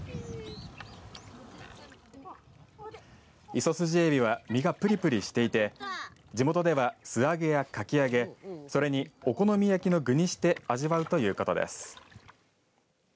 イソスジエビは身がぷりぷりしていて地元では素揚げやかき揚げそれにお好み焼きの具にして味わうということです。